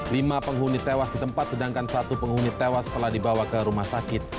lima penghuni tewas di tempat sedangkan satu penghuni tewas telah dibawa ke rumah sakit